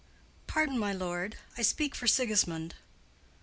_ Pardon, my lord—I speak for Sigismund.